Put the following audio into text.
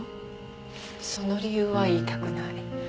その理由は言いたくない。